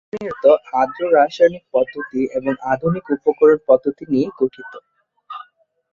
বিশ্লেষণী রসায়ন চিরায়ত, আর্দ্র রাসায়নিক পদ্ধতি এবং আধুনিক উপকরণ পদ্ধতি নিয়ে গঠিত।